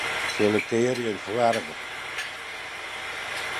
Selektearje de foarige.